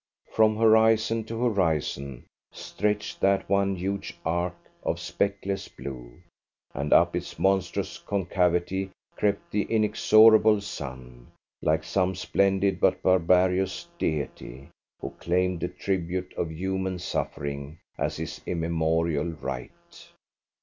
From horizon to horizon stretched that one huge arch of speckless blue, and up its monstrous concavity crept the inexorable sun, like some splendid but barbarous deity, who claimed a tribute of human suffering as his immemorial right.